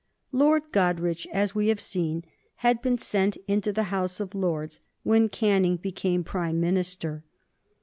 Lord Goderich, as we have seen, had been sent into the House of Lords when Canning became Prime Minister.